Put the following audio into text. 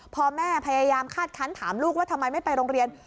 พอแม่พยายามคาดคันถามลูกว่าทำไมไม่ไปโรงเรียน